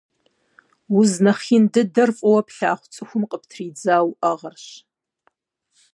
Уз нэхъ ин дыдэр фӀыуэ плъагъу цӀыхум къыптридза уӀэгъэрщ.